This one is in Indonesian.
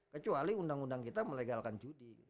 kecuali undang undang kita melegalkan judi